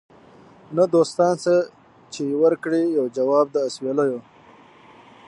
نه دوستان سته چي یې ورکړي یو جواب د اسوېلیو